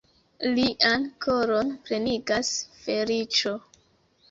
Lian koron plenigas feliĉo!